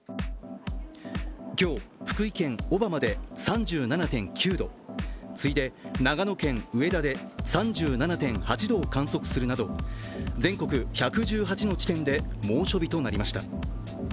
今日、福井県小浜で３７．９度次いで長野県上田で３７．８度を観測するなど全国１１８の地点で猛暑日となりました。